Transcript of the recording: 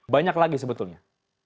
banyak lagi sebetulnya